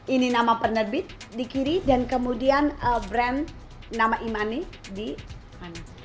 ini nama penerbit di kiri dan kemudian brand nama e money di mana